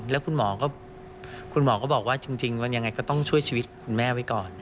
แล้วคุณหมอก็คุณหมอก็บอกว่าจริงมันยังไงก็ต้องช่วยชีวิตคุณแม่ไว้ก่อน